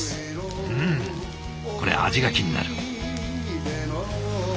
うんこれ味が気になる。